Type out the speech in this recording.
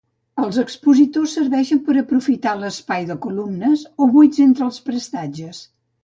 Els expositors serveixen per aprofitar l'espai de columnes o buits entre les prestatgeries.